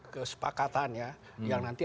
kesepakatannya yang nanti